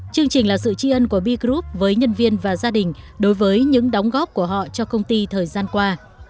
chương trình là sự tri ân của b group với nhân viên và gia đình đối với những đóng góp của họ cho công ty thời gian qua